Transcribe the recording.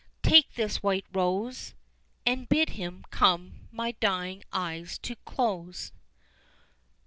take this white rose, And bid him come my dying eyes to close."